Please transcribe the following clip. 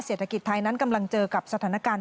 เศรษฐกิจไทยนั้นกำลังเจอกับสถานการณ์